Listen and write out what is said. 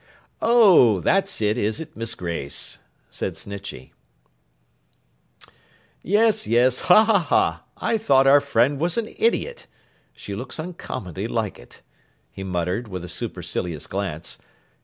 'Oh, that's it, is it, Miss Grace!' said Snitchey. 'Yes, yes. Ha, ha, ha! I thought our friend was an idiot. She looks uncommonly like it,' he muttered, with a supercilious glance.